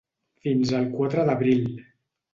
Fins al quatre d’abril.